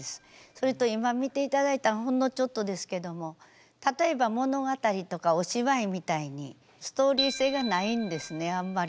それと今見ていただいたほんのちょっとですけども例えば物語とかお芝居みたいにストーリー性がないんですねあんまり。